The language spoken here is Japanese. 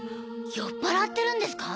酔っ払ってるんですか？